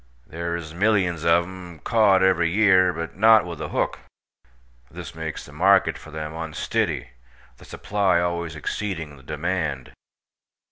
Thare iz millyuns ov them kaught every year, but not with a hook, this makes the market for them unstiddy, the supply allways exceeding the demand.